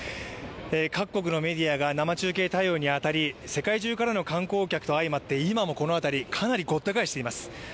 各国のメディアが生中継対応にあたり世界中からの観光客と相まって今もこの辺りかなりごった返しています。